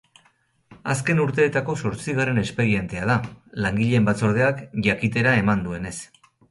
Azken urteetako zortzigarren espedientea da, langileen batzordeak jakitera eman duenez.